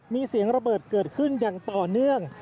มีเสียงระเบิดเกิดขึ้นอย่างต่อเนื่อง